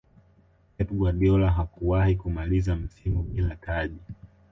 pep guardiola hakuwahi kumaliza msimu bila taji